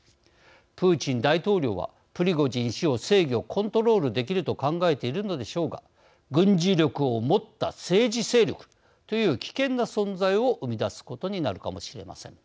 プーチン大統領はプリゴジン氏を制御コントロールできると考えているのでしょうが軍事力を持った政治勢力という危険な存在を生み出すことになるかもしれません。